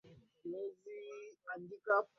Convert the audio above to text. mzunguko wa malipo unafanyika katika sarafu mbili